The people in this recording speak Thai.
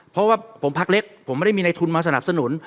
เพราะว่าผมพักเล็กผมไม่ได้มีในทุนมาสนับสนุน